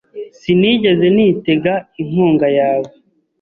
Sinigeze nitega inkunga yawe .